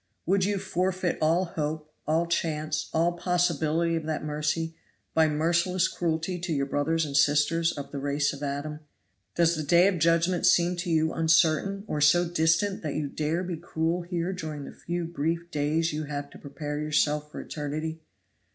Would you forfeit all hope, all chance, all possibility of that mercy, by merciless cruelty to your brothers and sisters of the race of Adam? Does the day of judgment seem to you uncertain or so distant that you dare be cruel here during the few brief days you have to prepare yourself for eternity?